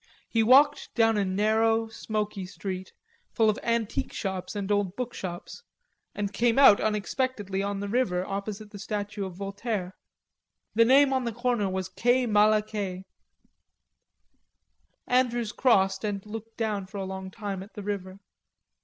He walked down a narrow, smoky street full of antique shops and old bookshops and came out unexpectedly on the river opposite the statue of Voltaire. The name on the corner was quai Malaquais. Andrews crossed and looked down for a long time at the river.